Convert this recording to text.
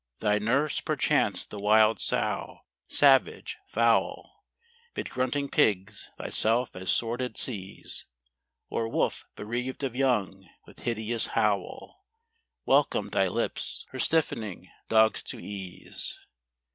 Thy nurse, perchance the wild sow, savage, foul, 'Mid grunting pigs, thyself as sordid sees; Or wolf bereaved of young, with hideous howl, Welcomed thy lips, her stiffening dugs to ease.